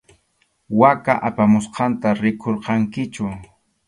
Waka apamusqanta rikurqankichu.